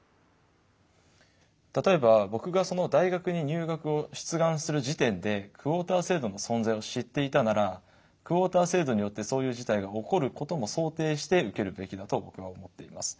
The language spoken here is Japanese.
例えば僕がその大学に入学を出願する時点でクオータ制度の存在を知っていたならクオータ制度によってそういう事態が起こることも想定して受けるべきだと僕は思っています。